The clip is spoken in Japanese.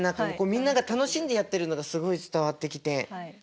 みんなが楽しんでやってるのがすごい伝わってきて。